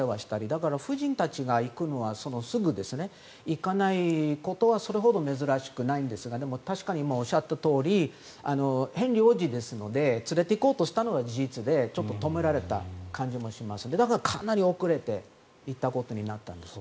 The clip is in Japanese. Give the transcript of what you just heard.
だから夫人たちが行くのはすぐですね、行かないことはそれほど珍しくないんですがでも、確かにおっしゃったとおりヘンリー王子ですので連れて行こうとしたのは事実でちょっと止められた感じもしますだからかなり遅れて行ったことになったんです。